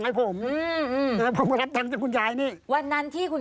แกก็เช่นต่างให้ผม